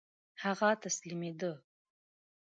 هغه تسلیمېدی.